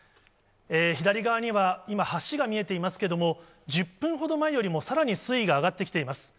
左側には、今、橋が見えていますけれども、１０分ほど前よりもさらに水位が上がってきています。